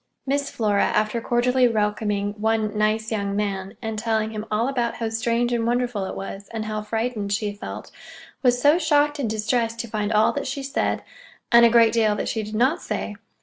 Miss Flora, after cordially welcoming one "nice young man," and telling him all about how strange and wonderful it was, and how frightened she felt, was so shocked and distressed to find all that she said (and a great deal that she did not say!)